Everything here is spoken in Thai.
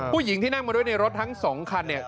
ผู้หญิงที่นั่งมาด้วยในรถทั้ง๒คันเนี่ย